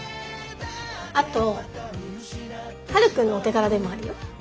あとはるくんのお手柄でもあるよ。